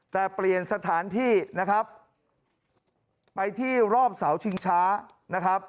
แต่เปลี่ยนสถานที่นะครับไปที่รอบเสาชิงช้านะครับ